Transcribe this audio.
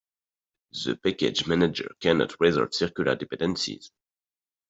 The package manager cannot resolve circular dependencies.